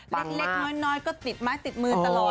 เล็กน้อยก็ติดไม้ติดมือตลอด